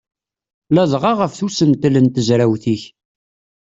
Ladɣa ɣef usentel n tezrawt-ik.